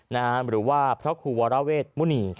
หรือว่าพระครูวรเวทมุณี